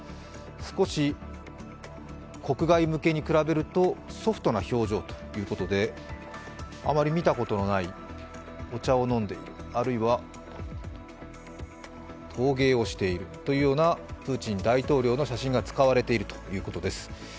少し国外向けに比べるとソフトな表情ということで、あまり見たことのないお茶を飲んでいる、あるいは陶芸をしているというようなプーチン大統領の写真が使われているということです。